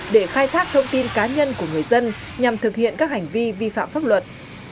để khai thác thông tin cá nhân của người dân nhằm thực hiện các hành vi vi phạm pháp luật